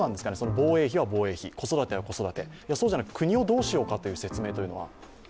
防衛費は防衛費、子育ては子育て、そうじゃなく国をどうしようかという説明というのは。